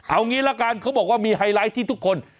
เอางี้ละกันเขาบอกว่ามีไฮไลท์ที่ทุกคน